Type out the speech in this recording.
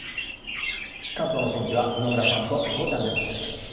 関東の天気は今村さんとゴーちゃん。です。